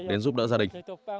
đến giúp đỡ gia đình